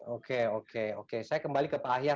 oke oke oke saya kembali ke pak ahyar